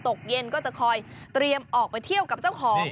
ตกเย็นก็จะคอยเตรียมออกไปเที่ยวกับเจ้าของ